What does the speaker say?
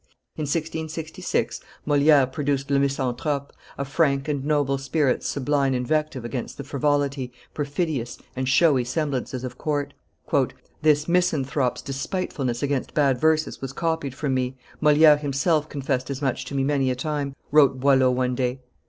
In 1666, Moliere produced le Misanthrope, a frank and noble spirit's sublime invective against the frivolity, perfidious and showy semblances of court. "This misanthrope's despitefulness against bad verses was copied from me; Moliere himself confessed as much to me many a time," wrote Boileau one day.